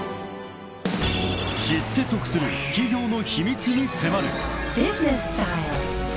［知って得する企業の秘密に迫る］